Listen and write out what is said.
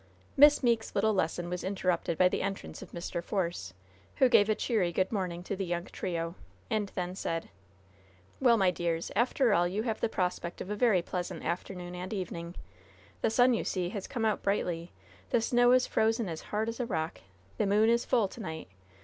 Miss Meeke's little lesson was interrupted by the entrance of Mr. Force, who gave a cheery good morning to the young trio, and then said: "Well, my dears, after all you have the prospect of a very pleasant afternoon and evening. The sun, you see, has come out brightly. The snow is frozen as hard as a rock. The moon is full to night.